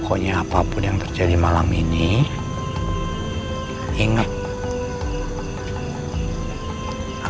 akan selalu ada laki laki yang sayang banget sama kamu sepanjang hidup kamu